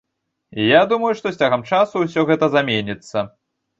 Я думаю, што з цягам часу ўсё гэта заменіцца.